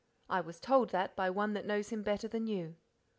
'I was told that by one that knows him better than you.'